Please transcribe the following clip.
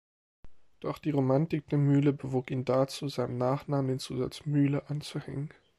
Doch die Romantik der Mühle bewog ihn dazu, seinem Nachnamen den Zusatz "Mühle" anzuhängen.